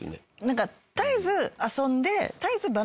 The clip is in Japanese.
なんか絶えず遊んで。